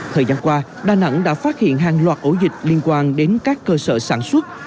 thời gian qua đà nẵng đã phát hiện hàng loạt ổ dịch liên quan đến các cơ sở sản xuất